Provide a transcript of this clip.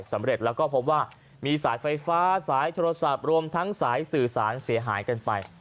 สำเร็จแล้วก็พบว่ามีสายไฟฟ้าสายโทรศัพท์รวมทั้งสายสื่อสารเสียหายกันไป